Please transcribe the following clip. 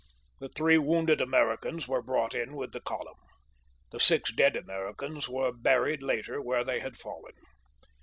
The three wounded Americans were brought in with the column. The six dead Americans were buried later where they had fallen.